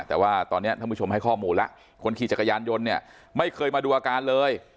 แต่ว่าตอนนี้ท่านผู้ชมให้ข้อมูลแล้วคนขี่จักรยานยนต์เนี่ยไม่เคยมาดูอาการเลย